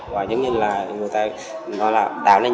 và giống như là người ta nói là đảo này nhỏ